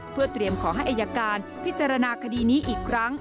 เพื่อเตรียมขอให้อายการพิจารณาคดีนี้อีกครั้ง